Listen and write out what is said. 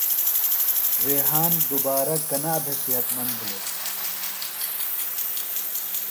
ریحان دُبارہ کنا بھےۡ صحت مند بِھلوۡ؟